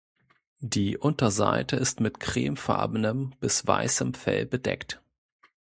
Die Unterseite ist mit cremefarbenem bis weißem Fell bedeckt.